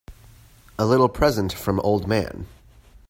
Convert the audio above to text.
A little present from old man.